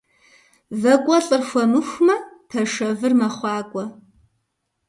Вакӏуэлӏыр хуэмыхумэ, пашэвыр мэхъуакӏуэ.